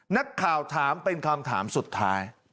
นักข่าวถามเป็นคำถามสุดท้าย